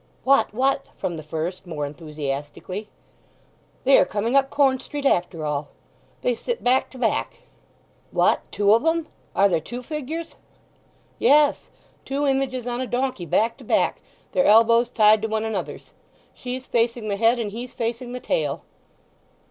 "What, what?" from the first, more enthusiastically. "They are coming up Corn Street after all! They sit back to back!" "What—two of 'em—are there two figures?" "Yes. Two images on a donkey, back to back, their elbows tied to one another's! She's facing the head, and he's facing the tail."